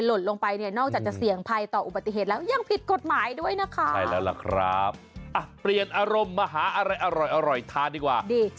หลบลงไปเนี่ยนอกจากจะเสี่ยงภัยต่ออุบัติเหตุแล้วยังผิดกฎหมายด้วยนะคะ